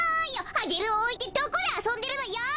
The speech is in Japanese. アゲルをおいてどこであそんでるのよ。